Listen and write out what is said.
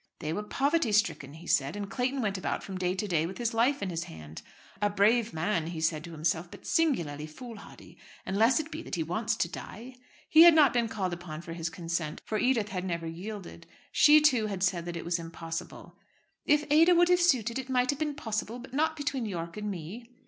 "They were poverty stricken," he said, and Clayton went about from day to day with his life in his hand. "A brave man," he said to himself; "but singularly foolhardy, unless it be that he wants to die." He had not been called upon for his consent, for Edith had never yielded. She, too, had said that it was impossible. "If Ada would have suited, it might have been possible, but not between Yorke and me."